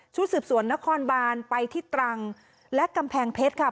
สืบสวนนครบานไปที่ตรังและกำแพงเพชรค่ะ